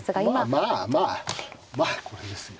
まあまあまあこれですよ。